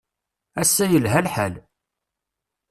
Ass-a yelha lḥal.